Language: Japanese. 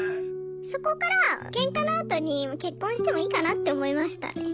そこからケンカのあとに結婚してもいいかなって思いましたね。